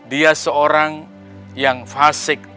dia seorang yang fasik